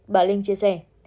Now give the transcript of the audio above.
bà linh chia sẻ